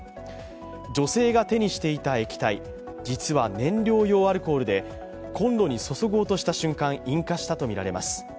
女性が手にしていた液体、実は燃料用アルコールでコンロに注ごうとした瞬間、引火したとみられます。